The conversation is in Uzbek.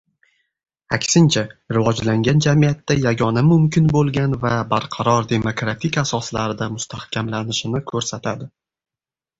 aksincha, rivojlangan jamiyatda yagona mumkin bo‘lgan va barqaror demokratik asoslarda mustahkamlanishini ko‘rsatadi.